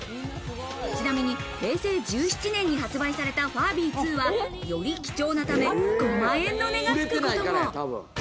ちなみに平成１７年に発売されたファービー２は、より貴重なため、５万円の値がつくことも。